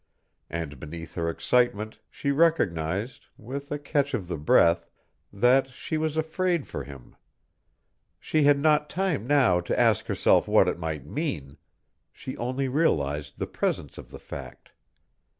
And beneath her excitement she recognized, with a catch of the breath, that she was afraid for him. She had not time now to ask herself what it might mean; she only realized the presence of the fact.